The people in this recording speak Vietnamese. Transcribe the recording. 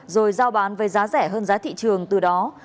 rồi giao bán với giá rẻ hơn giá thị trường từ đó